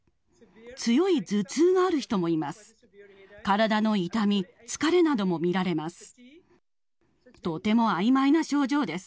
強い頭痛がある人もいます。